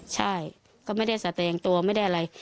ใช่ก็ไม่ได้แสดงตัวไม่ได้อะไร